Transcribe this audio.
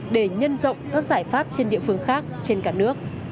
để nhân rộng các giải pháp trên địa phương khác trên cả nước